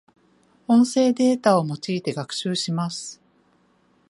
音声データを用いて学習します。